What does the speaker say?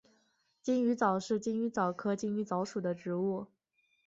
金鱼藻是金鱼藻科金鱼藻属的植物。